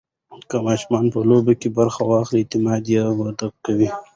که ماشوم په لوبو کې برخه واخلي، اعتماد یې وده کوي.